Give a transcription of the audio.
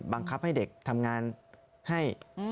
บังคับให้เด็กทำงานให้